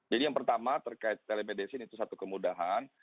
jadi yang pertama terkait telemedicine itu satu kemudahan